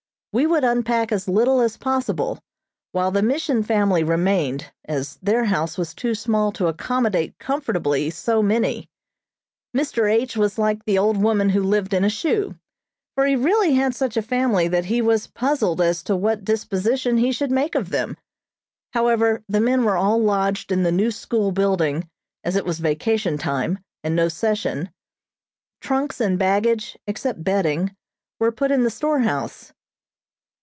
We would unpack as little as possible, while the Mission family remained, as their house was too small to accommodate comfortably so many. Mr. H. was like the old woman who lived in a shoe, for he really had such a family that he was puzzled as to what disposition he should make of them. However, the men were all lodged in the new school building, as it was vacation time, and no session; trunks and baggage, except bedding, were put in the store house.